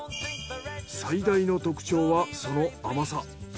最大の特徴はその甘さ。